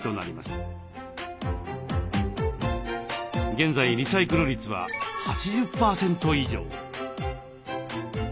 現在リサイクル率は８０％以上。